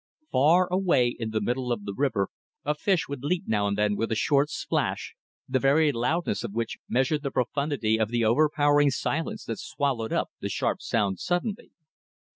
Far away, in the middle of the river, a fish would leap now and then with a short splash, the very loudness of which measured the profundity of the overpowering silence that swallowed up the sharp sound suddenly.